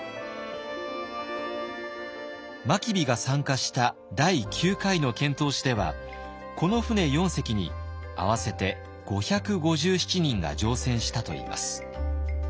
真備が参加した第９回の遣唐使ではこの船４隻に合わせて５５７人が乗船したといいます。